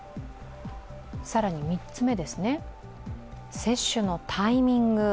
更に３つ目、接種のタイミング。